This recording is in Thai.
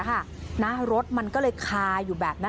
พ่อคงเอาก้อนอิดไปถ่วงไว้ตรงคันเร่งจั๊มแบบนี้